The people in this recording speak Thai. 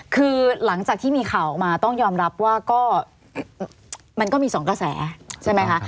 คือหลังจากที่มีข่าวออกมาต้องยอมรับว่าก็มันก็มีสองกระแสใช่ไหมคะ